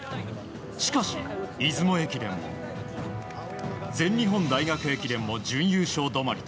しかし、出雲駅伝全日本大学駅伝も準優勝止まり。